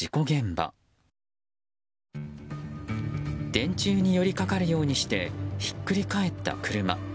電柱に寄り掛かるようにしてひっくり返った車。